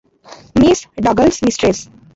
Miss Douglas mistress.